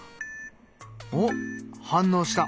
おっ反応した。